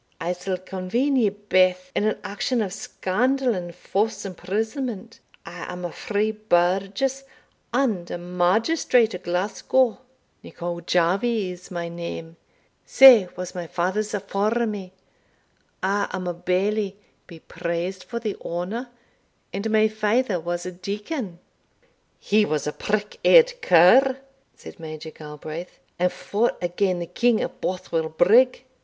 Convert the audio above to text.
I'se convene ye baith in an action of scandal and false imprisonment I am a free burgess and a magistrate o' Glasgow; Nicol Jarvie is my name, sae was my father's afore me I am a bailie, be praised for the honour, and my father was a deacon." "He was a prick eared cur," said Major Galbraith, "and fought agane the King at Bothwell Brigg."